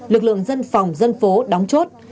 lực lượng dân phòng dân phố đóng chốt